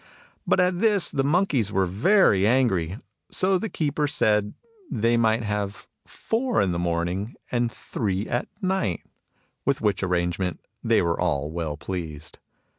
But at this the monkeys were very angry, so the keeper said they might have four in the morning and three at night, with which arrangement they were all well pleased.